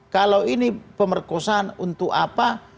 kalau ini pemerkosaan untuk apa